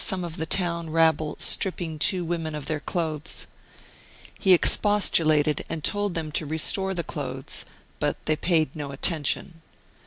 TRANSLATOR . 44 Martyred Armenia of the town rabble stripping two women of their clothes. He expostulated and told them to restore the clothes, but they paid no attention.